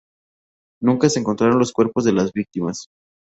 Nunca se encontraron los cuerpos de las víctimas.